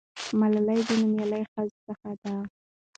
ملالۍ د نومیالۍ ښځو څخه ده.